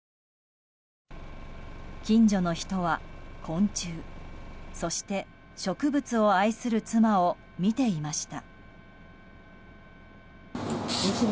近所の人は昆虫そして、植物を愛する妻を見ていました。